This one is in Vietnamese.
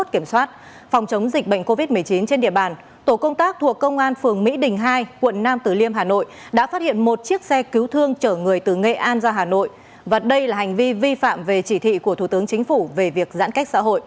kiểm soát hàng trăm đợt người phương tiện di chuyển trong nội đô mỗi ngày